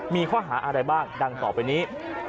มีข้อหาอะไรบ้างดังต่อไปนี้